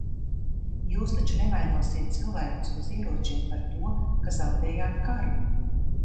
Jūs taču nevainosiet cilvēkus bez ieročiem par to, ka zaudējāt karu?